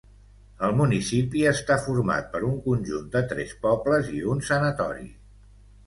El municipi està format per un conjunt de tres pobles i un sanatori.